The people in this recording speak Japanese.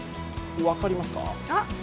分かりますか？